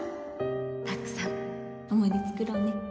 たくさん思い出つくろうね